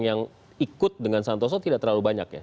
yang ikut dengan santoso tidak terlalu banyak ya